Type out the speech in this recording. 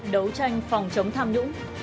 đấu tranh phòng chống tham nhũng